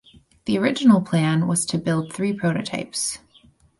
The original plan was to build three prototypes.